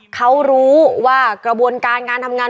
เขารู้ว่ากระบวนการงานทำงาน